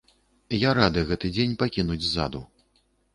Я рады гэты дзень пакінуць ззаду.